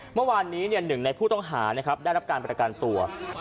เมื่อวานนี้หนึ่งในผู้ต้องหาได้รับการปราการตรวจ